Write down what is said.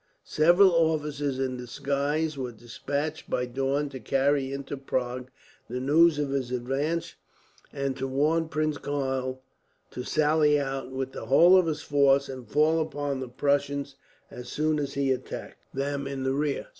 Several officers in disguise were despatched, by Daun, to carry into Prague the news of his advance; and to warn Prince Karl to sally out, with the whole of his force, and fall upon the Prussians as soon as he attacked them in the rear.